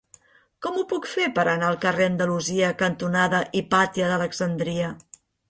Com ho puc fer per anar al carrer Andalusia cantonada Hipàtia d'Alexandria?